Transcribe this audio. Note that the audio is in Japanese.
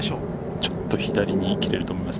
ちょっと左に切れると思います。